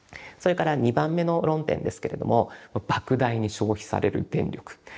それから２番目の論点ですけれどもばく大に消費される電力。